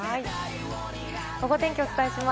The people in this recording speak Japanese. ゴゴ天気をお伝えします。